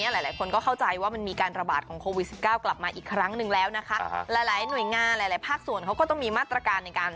หลายหน่วยงานหลายภาครักษ์ส่วนเขาก็ต้องมีมาตรการในการ